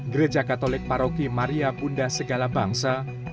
gereja katolik paroki maria bunda segala bangsa